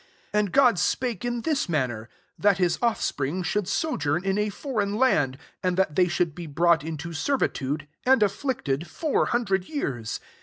6 ^< And God spake in this manner; that his offspring should sojourn in a foreign land, and that th^y should be brought into servitude, and afflicted, four hundred years.